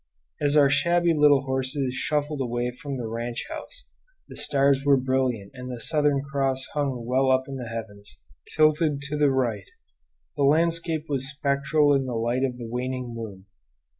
As our shabby little horses shuffled away from the ranch house the stars were brilliant and the Southern Cross hung well up in the heavens, tilted to the right. The landscape was spectral in the light of the waning moon.